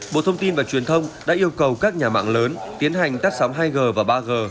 bộ thông tin và truyền thông đã yêu cầu các nhà mạng lớn tiến hành tắt sóng hai g và ba g